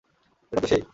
এটাই তো সেই!